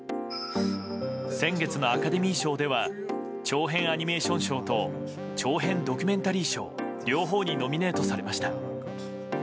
先月のアカデミー賞では長編アニメーション賞と長編ドキュメンタリー賞両方にノミネートされました。